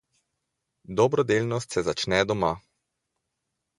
Dobrodelnost se začne doma.